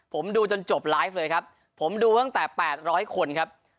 ผมดูจนจบไลฟ์เลยครับผมดูตั้งแต่๘๐๐คนครับ